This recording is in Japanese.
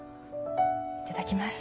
いただきます。